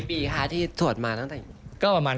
บ๊วยบีปีคะที่สวดมาตั้งแต่